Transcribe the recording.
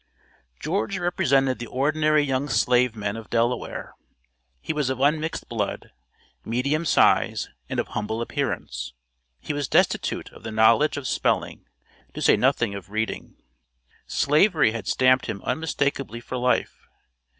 George represented the ordinary young slave men of Delaware. He was of unmixed blood, medium size and of humble appearance. He was destitute of the knowledge of spelling, to say nothing of reading. Slavery had stamped him unmistakably for life.